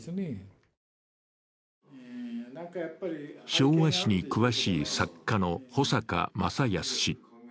昭和史に詳しい作家の保阪正康氏。